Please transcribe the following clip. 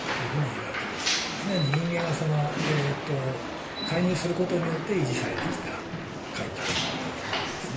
常に人間がその介入する事によって維持されてきた環境な訳ですね。